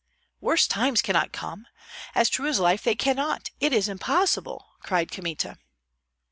"Worse times cannot come! As true as life, they cannot! It is impossible!" cried Kmita.